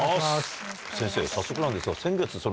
先生早速なんですが。